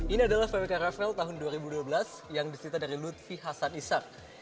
ini adalah vwk raffel tahun dua ribu dua belas yang disita dari lutfi hasan ishak